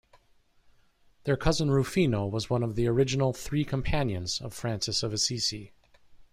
Their cousin Rufino was one of the original "Three Companions" of Francis of Assisi.